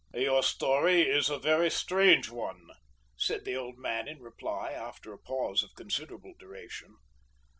"Your story is a very strange one," said the old man in reply, after a pause of considerable duration.